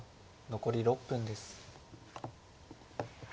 残り６分です。